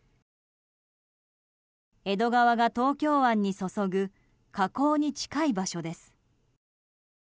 江戸川が東京湾に注ぐ河口に近い場所です。